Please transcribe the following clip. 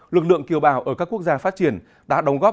lực lượng kiều bào ở các quốc gia phát triển đã đóng góp